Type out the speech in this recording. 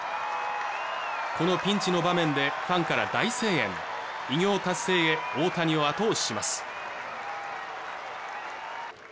このピンチの場面でファンから大声援偉業達成へ大谷を後押しします